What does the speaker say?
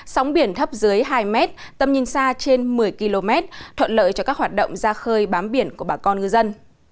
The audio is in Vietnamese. sóng biển thấp dưới hai mét tầm nhìn xa trên một mươi km thuận lợi cho các hoạt động ra khơi bám biển của bà con ngư dân